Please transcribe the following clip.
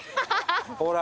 ほら！